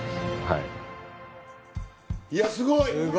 いやすごい。